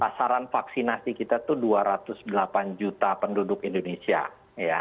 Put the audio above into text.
pasaran vaksinasi kita itu dua ratus delapan juta penduduk indonesia ya